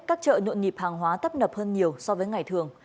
các chợ nhộn nhịp hàng hóa tấp nập hơn nhiều so với ngày thường